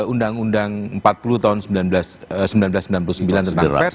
undang undang empat puluh tahun seribu sembilan ratus sembilan puluh sembilan tentang pers